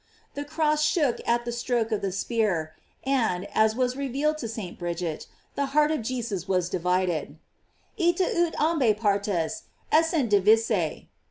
"* The cross shook at the stroke of the spear, and, as was revealed to St. Bridget, the heart of Jesus was divided : "Ita ut ambae paries essent divisse."